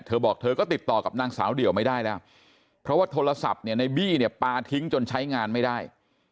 เธอบอกเธอก็ติดต่อกับนางสาวเดี่ยวไม่ได้แล้วเพราะว่าโทรศัพท์เนี่ยในบี้เนี่ยปลาทิ้งจนใช้งานไม่ได้